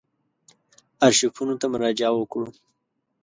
آرشیفونو ته مراجعه وکړو.